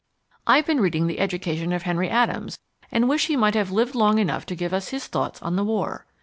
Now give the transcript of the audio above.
I've been reading The Education of Henry Adams and wish he might have lived long enough to give us his thoughts on the War.